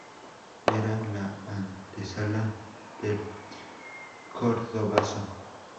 Era la antesala del Cordobazo.